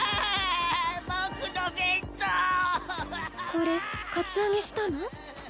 これカツアゲしたの？